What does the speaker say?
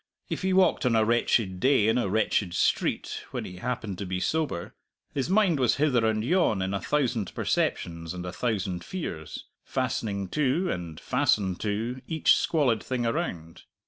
If he walked on a wretched day in a wretched street, when he happened to be sober, his mind was hither and yon in a thousand perceptions and a thousand fears, fastening to (and fastened to) each squalid thing around.